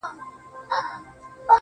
مسافر ليونى~